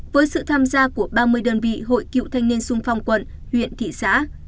với sự tham gia của ba mươi đơn vị hội cựu thanh niên sung phong quận huyện thị xã